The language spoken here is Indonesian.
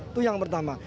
itu yang pertama